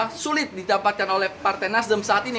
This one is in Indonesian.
sepuluh kursi itu sangat sulit didapatkan oleh partai nasdem saat ini